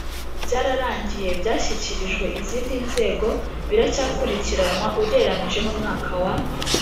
byararangiye byashyikirijwe izindi nzego biracyakurikiranwa Ugereranije n umwaka wa